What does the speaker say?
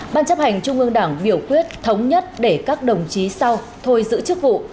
ban chấp hành trung ương đảng biểu quyết thống nhất để các đồng chí sau thôi giữ chức vụ